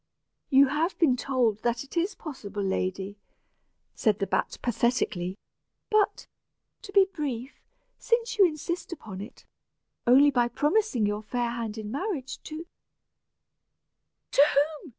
"You have been told that it is possible, lady," said the bat, pathetically; "but, to be brief, since you insist upon it only by promising your fair hand in marriage to " "To whom?"